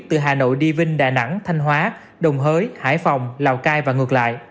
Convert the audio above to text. từ hà nội đi vinh đà nẵng thanh hóa đồng hới hải phòng lào cai và ngược lại